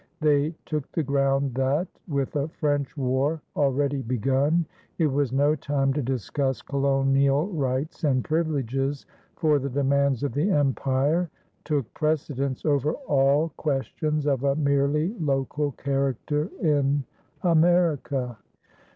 They took the ground that, with a French war already begun, it was no time to discuss colonial rights and privileges, for the demands of the empire took precedence over all questions of a merely local character in America.